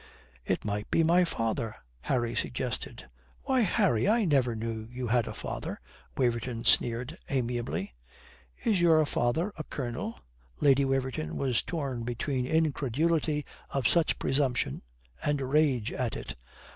"It might be my father," Harry suggested. "Why, Harry, I never knew you had a father," Waverton sneered amiably. "Is your father a colonel?" Lady Waverton was torn between incredulity of such presumption and rage at it.